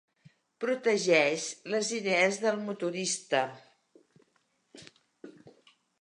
Protegeix les idees del motorista.